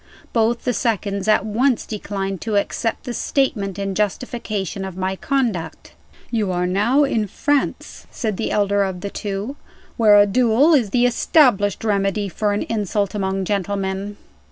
Both the seconds at once declined to accept this statement in justification of my conduct. "You are now in France," said the elder of the two, "where a duel is the established remedy for an insult, among gentlemen.